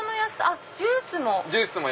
あっジュースも！